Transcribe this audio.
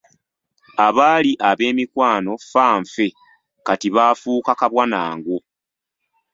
Abaali ab’emikwano fanfe, kati baafuuka kabwa na ngo.